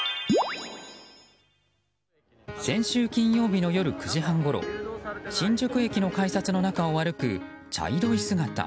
先週金曜日の夜９時半ごろ新宿駅の改札の中を歩く茶色い姿。